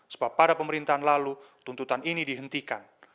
sebab pada pemerintahan lalu tuntutan ini dihentikan